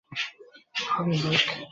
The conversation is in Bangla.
হুম, বেক।